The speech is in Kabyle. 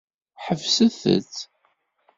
Ḥebset-t.